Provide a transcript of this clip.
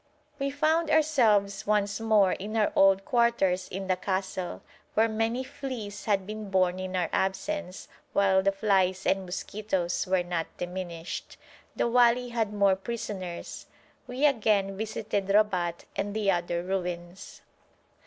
We found ourselves once more in our old quarters in the castle, where many fleas had been born in our absence, while the flies and mosquitoes were not diminished. The wali had more prisoners. We again visited Robat and the other ruins.